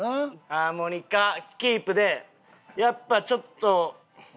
ハーモニカキープでやっぱちょっと。